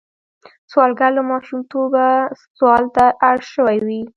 سوالګر له ماشومتوبه سوال ته اړ شوی وي